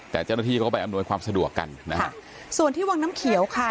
แต่เจ้าหน้าที่เขาก็ไปอำนวยความสะดวกกันนะฮะส่วนที่วังน้ำเขียวค่ะ